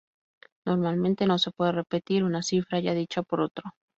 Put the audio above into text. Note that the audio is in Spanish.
Normalmente no se puede repetir una cifra ya dicha por otro.